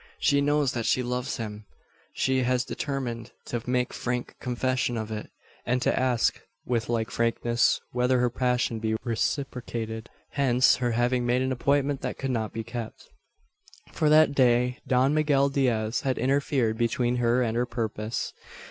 She knows that she loves him. She has determined to make frank confession of it; and to ask with like frankness whether her passion be reciprocated. Hence her having made an appointment that could not be kept. For that day Don Miguel Diaz had interfered between her and her purpose.